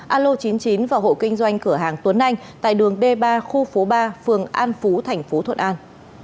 alo chín mươi chín và hộ kinh doanh cửa hàng tuấn anh tại đường d ba khu phố ba phường an phú thành phố thuận an